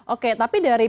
oke tapi dari